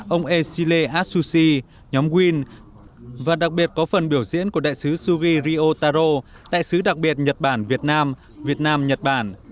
ông esile asushi nhóm win và đặc biệt có phần biểu diễn của đại sứ suvi ryo taro đại sứ đặc biệt nhật bản việt nam việt nam nhật bản